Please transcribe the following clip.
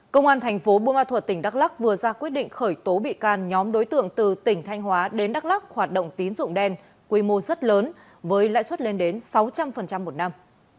công an thành phố buôn ma thuật tỉnh đắk lắc vừa ra quyết định khởi tố bị can nhóm đối tượng từ tỉnh thanh hóa đến đắk lắc hoạt động tín dụng đen quy mô rất lớn với lãi suất lên đến sáu trăm linh một năm